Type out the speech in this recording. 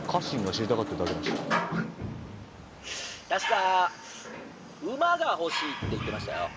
確か馬が欲しいって言ってましたよ」。